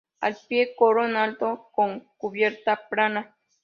Al pie, coro en alto con cubierta plana.